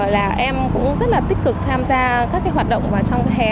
là em cũng rất là tích cực tham gia các cái hoạt động vào trong cái hè